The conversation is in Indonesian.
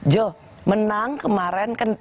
jo menang kemarin kan